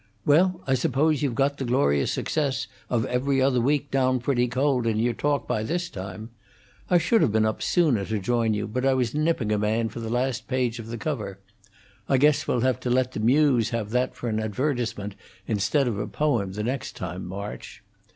"Well, I suppose you've got the glorious success of 'Every Other Week' down pretty cold in your talk by this time. I should have been up sooner to join you, but I was nipping a man for the last page of the cover. I guess we'll have to let the Muse have that for an advertisement instead of a poem the next time, March.